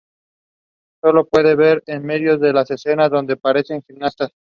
Se lo puede ver en medio de las escenas donde aparecen los gimnastas.